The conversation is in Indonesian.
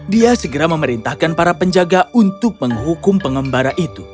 dia segera memerintahkan para penjaga untuk menghukum pengembara itu